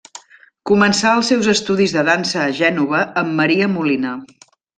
Començà els seus estudis de dansa a Gènova amb Maria Molina.